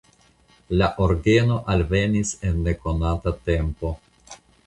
La orgeno alvenis en nekonata tempo.